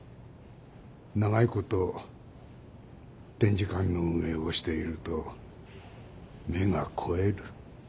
長いこと展示館の運営をしていると目が肥える。